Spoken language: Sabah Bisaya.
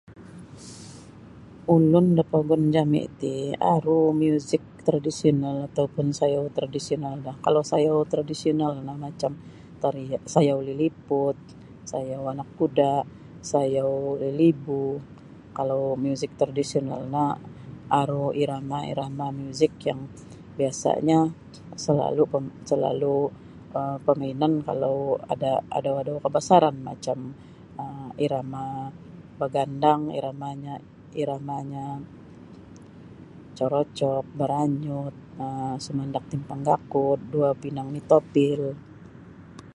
Ulun da pogun jami' ti aru muzik tradisional ataupun sayau tradisional do kalau sayau tradisional no macam tarian sayau Liliput sayau Anak Kuda, sayau Lilibu. Kalau muzik tradisional no aru irama-irama muzik yang biasanyo salalu' pam... salalu' um pamainan kalau ada adau-adau kabasaran macam um irama bagandang iramanyo iramanyo Corocop, Baranyut, um Sumandak Timpang Gakud, Duo Pinang Nitopil.